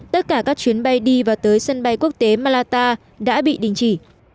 tất cả các chuyến bay đi và tới sân bay quốc tế malata đã bị đình chỉ